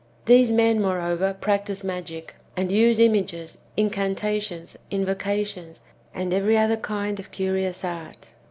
These men, moreover, practise magic, and use images, incantations, invocations, and every other kind of curious art.